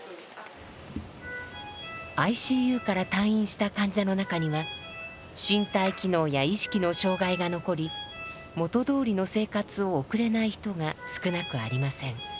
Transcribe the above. ＩＣＵから退院した患者の中には身体機能や意識の障害が残り元どおりの生活を送れない人が少なくありません。